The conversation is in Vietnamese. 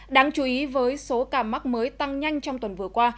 đáng chú ý với số ca mắc mới tăng nhanh trong tuần vừa qua